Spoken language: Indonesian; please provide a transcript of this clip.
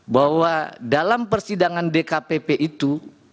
bahwa dalam persidangan dkpp itu